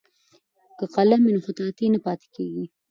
که قلم وي نو خطاطي نه پاتې کیږي.